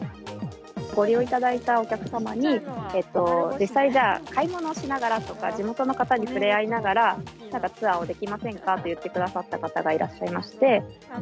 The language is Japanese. ご利用いただいたお客様に、実際、じゃあ買い物をしながらとか、地元の方に触れ合いながら、ツアーをできませんかと言ってくださった方がいらっしゃいまして。